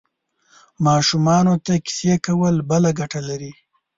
ماشومانو ته کیسې کول بله ګټه لري.